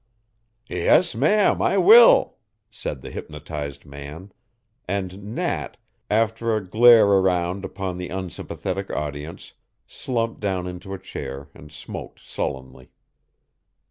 "Yes, ma'am, I will," said the hypnotized man, and Nat, after a glare around upon the unsympathetic audience slumped down into a chair and smoked sullenly.